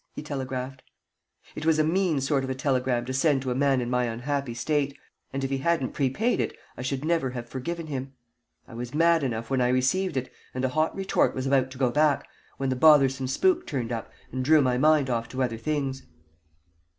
he telegraphed. It was a mean sort of a telegram to send to a man in my unhappy state, and if he hadn't prepaid it I should never have forgiven him. I was mad enough when I received it, and a hot retort was about to go back, when the bothersome spook turned up and drew my mind off to other things.